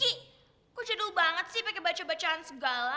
ki kok cedul banget sih pake baca bacaan segala